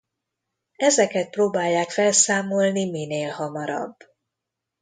Ezeket próbálják felszámolni minél hamarabb.